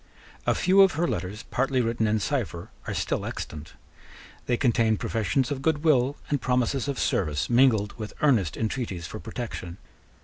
A few of her letters, partly written in cipher, are still extant. They contain professions of good will and promises of service mingled with earnest intreaties for protection.